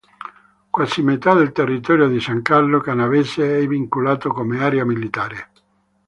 Quasi metà del territorio di San Carlo Canavese è vincolato come area militare.